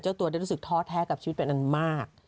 ตัวได้รู้สึกท้อแท้กับชีวิตเป็นอันมาก